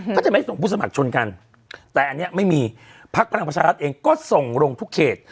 ก็จะไม่ส่งผู้สมัครชนกันแต่อันนี้ไม่มีพักพลังประชารัฐเองก็ส่งลงทุกเขต